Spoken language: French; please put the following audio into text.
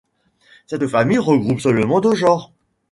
Cette famille regroupe seulement deux genres.